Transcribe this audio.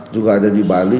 juga ada di bali